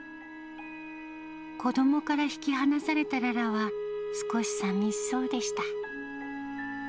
子どもから引き離されたララは、少しさみしそうでした。